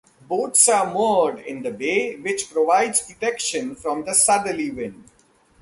Boats are moored in the bay, which provides protection from the southerly wind.